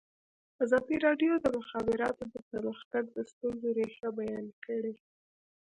ازادي راډیو د د مخابراتو پرمختګ د ستونزو رېښه بیان کړې.